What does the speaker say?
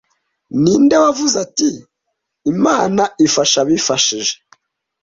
Ninde wavuze ati, "Imana ifasha abifasha"